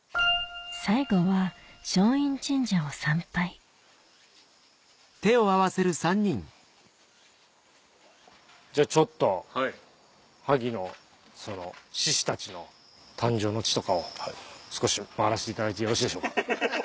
最後はじゃあちょっと萩の志士たちの誕生の地とかを少し回らせていただいてよろしいでしょうか。